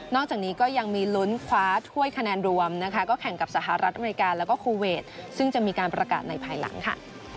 จากนี้ก็ยังมีลุ้นคว้าถ้วยคะแนนรวมนะคะก็แข่งกับสหรัฐอเมริกาแล้วก็คูเวทซึ่งจะมีการประกาศในภายหลังค่ะ